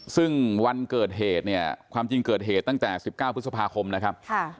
ซึ่งวันเกิดเหตุเนี่ยความจริงเกิดเหตุตั้งแต่๑๙พฤษภาคมนะครับ